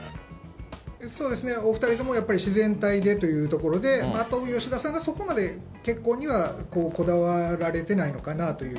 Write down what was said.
そうですね、お２人ともやっぱり自然体でというところで、あと吉田さんがそこまで結婚にはこだわられてないのかなという。